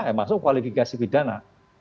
ya masuk kualifikasi pidana